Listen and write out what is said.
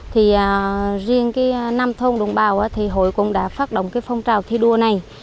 thì riêng cái năm thôn đồng bào thì hội cũng đã phát động cái phong trào thi đua này